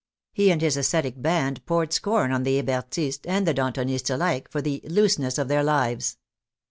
He and his ascetic band poured scorn on the Hebertists and the Dantonists alike for the " loose ness " of their lives.